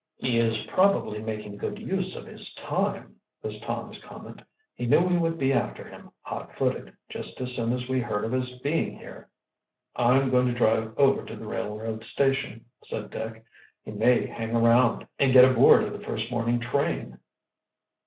"He is probably making good use of his time," was Tom's comment. "He knew we would be after him hot footed, just as soon as we heard of his being here." "I'm going to drive over to the railroad station," said Dick. "He may hang around and get aboard of the first morning train."